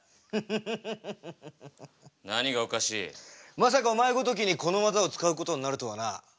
まさかお前ごときにこの技を使うことになるとはな。